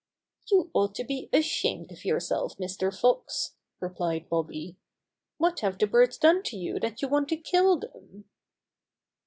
"You ought to be ashamed of yourself, Mr. Fox," replied Bobby. "What have the birds done to you that you want to kill them?"